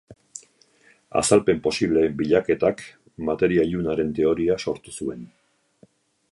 Azalpen posibleen bilaketak materia ilunaren teoria sortu zuen.